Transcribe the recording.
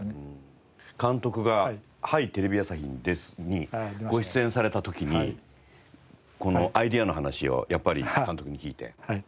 監督が『はい！テレビ朝日です』にご出演された時にこのアイデアの話をやっぱり監督に聞いて。